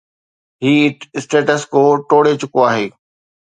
هي status ڪو ٽوڙي چڪو آهي.